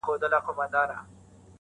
اوس یې زیارت ته په سېلونو توتکۍ نه راځي-